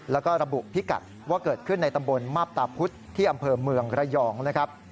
แล้วก็ระบุพิกัดว่าเกิดขึ้นในตำบลมาบตาพุธที่อำเภอเมืองระยองนะครับ